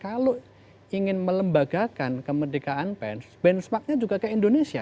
kalau ingin melembagakan kemerdekaan pens benchmarknya juga ke indonesia